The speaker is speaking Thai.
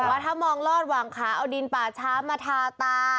แต่ว่าถ้ามองลอดหวังขาเอาดินป่าช้ามาทาตา